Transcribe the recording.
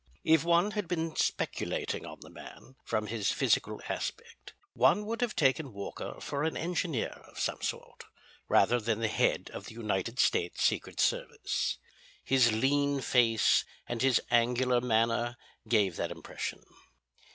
If one had been speculating on the man, from his physical aspect one would have taken Walker for an engineer of some sort, rather than the head of the United States Secret Service. His lean face and his angular manner gaffe that impression.